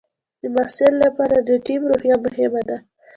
د محصل لپاره د ټیم روحیه مهمه ده.